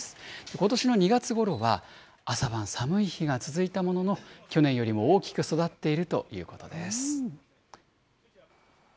ことしの２月ごろは朝晩、寒い日が続いたものの、去年よりも大きく育っているということです。